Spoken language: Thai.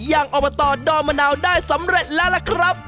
อบตดอนมะนาวได้สำเร็จแล้วล่ะครับ